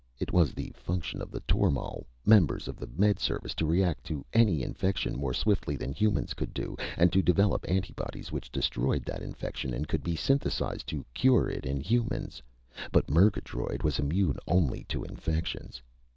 It was the function of the tormal members of the Med Service to react to any infection more swiftly than humans could do, and to develop antibodies which destroyed that infection and could be synthesized to cure it in humans. But Murgatroyd was immune only to infections.